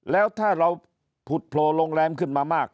แล้วถ้าเราผุดโผล่โรงแรมขึ้นมามาก